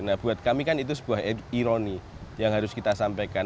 nah buat kami kan itu sebuah ironi yang harus kita sampaikan